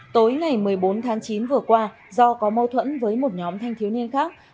tối ngày một mươi bốn tháng chín vừa qua do có mâu thuẫn với một nhóm thanh thiếu niên khác